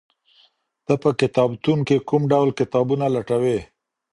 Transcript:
ته په کتابتون کي کوم ډول کتابونه لټوې؟